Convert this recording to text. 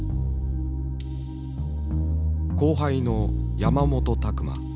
後輩の山本卓眞。